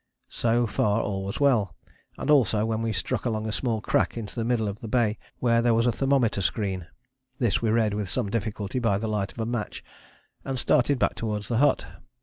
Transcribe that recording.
So far all was well, and also when we struck along a small crack into the middle of the bay, where there was a thermometer screen. This we read with some difficulty by the light of a match and started back towards the hut.